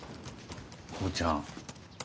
耕ちゃん